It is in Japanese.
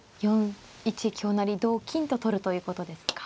４一香成同金と取るということですか。